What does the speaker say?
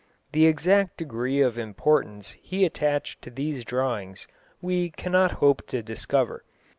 The exact degree of importance he attached to these drawings we cannot hope to discover.